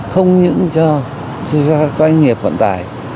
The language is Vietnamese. không những cho doanh nghiệp vận tải